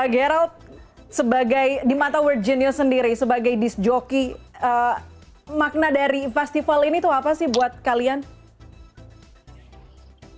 gerold di mata world genius sendiri sebagai disjoki makna dari festival ini tuh apa sih buat kalian